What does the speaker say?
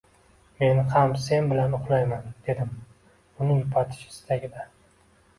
Men ham sen bilan uxlayman, dedim uni yupatish istagida